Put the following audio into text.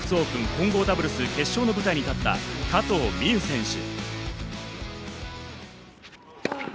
混合ダブルス決勝の舞台に立った、加藤未唯選手。